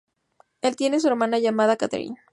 Él tiene una hermana llamada Katherine.